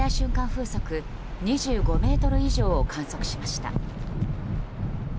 風速２５メートル以上を観測しました。